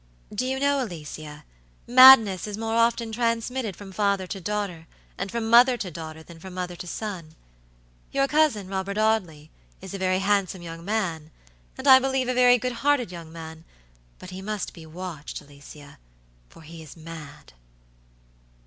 Do you know, Alicia, that madness is more often transmitted from father to daughter, and from mother to daughter than from mother to son? Your cousin, Robert Audley, is a very handsome young man, and I believe, a very good hearted young man, but he must be watched, Alicia, for he is mad!"